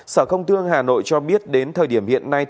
sở công thương hà nội cho biết đến thời điểm hiện nay